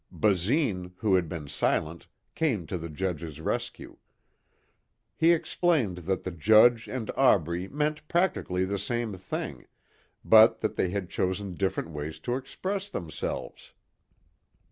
Basine who had been silent came to the judge's rescue. He explained that the judge and Aubrey meant practically the same thing but that they had chosen different ways to express themselves.